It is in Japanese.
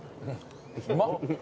うまっ。